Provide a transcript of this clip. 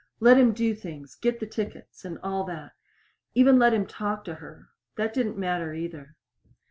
Let him do things get the tickets and all that. Even let him talk to her. That didn't matter either.